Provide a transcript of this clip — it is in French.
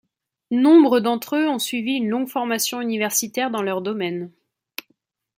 Nombre d'entre eux ont suivi une longue formation universitaire dans leur domaine.